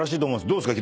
どうですか？